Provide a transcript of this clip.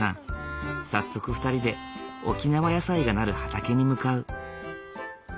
早速２人で沖縄野菜がなる畑に向かう。